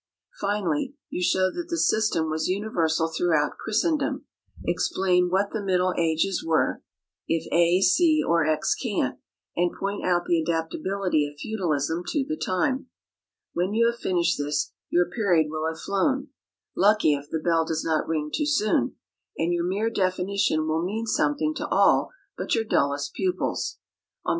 Finally you show that the system was universal throughout Christendom, explain what the middle ages were (if A, C or X can't), and point out the adaptability of feudalism to the time. When you have finished this, your period will have flown (lucky if the bell does not ring too soon!), and your mere definition will mean something to all but your dullest pupils. On pp.